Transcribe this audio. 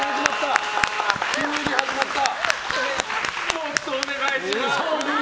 もっとお願いします！